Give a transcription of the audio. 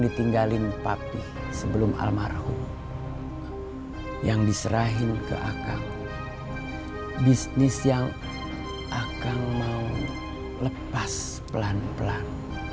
ditinggalin papi sebelum almarhum yang diserahin ke akan bisnis yang akan mau lepas pelan pelan